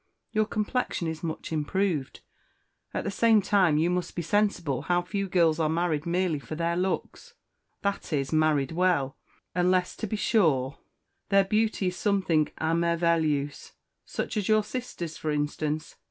Your complexion is much improved. At the same time you must be sensible how few girls are married merely for their looks that is, married well unless, to be sure, their beauty is something à merveilleuse such as your sister's, for instance.